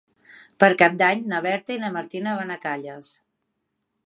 Per Cap d'Any na Berta i na Martina van a Calles.